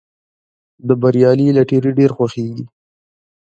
د بریالي لټیري ډېر خوښیږي.